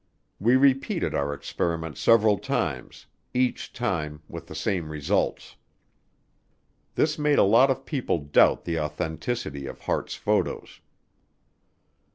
We repeated our experiment several times, each time with the same results. This made a lot of people doubt the authenticity of Hart's photos.